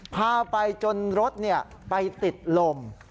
พาไปจนรถไปติดลม